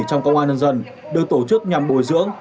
trong công an nhân dân được tổ chức nhằm bồi dưỡng